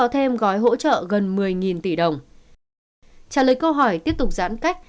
trả lời câu hỏi tiếp tục giãn cách